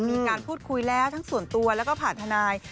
มีการพูดคุยแล้วทั้งส่วนตัวแล้วก็ผ่านทนาย